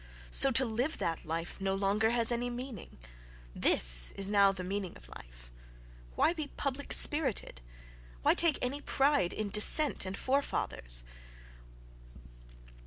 So to live that life no longer has any meaning: this is now the "meaning" of life.... Why be public spirited? Why take any pride in descent and forefathers?